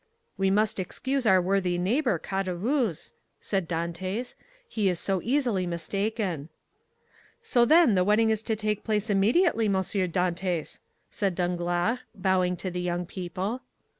"We must excuse our worthy neighbor, Caderousse," said Dantès, "he is so easily mistaken." "So, then, the wedding is to take place immediately, M. Dantès," said Danglars, bowing to the young couple.